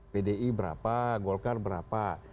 pdi berapa golkar berapa